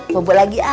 buat buat lagi ya